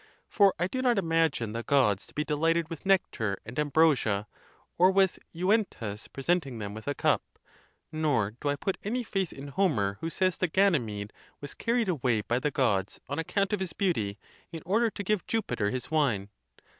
ForlI do not imagine the Gods to be delighted with nectar and ambrosia, or with Juventas presenting them with a cup; nor do I put any faith in Homer, who says that Ganymede was carried away by the Gods on account of his beauty, in order to give Jupiter his wine.